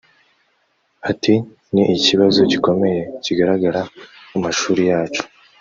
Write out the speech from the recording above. Ati « Ni ikibazo gikomeye kigaragara mu mashuri yacu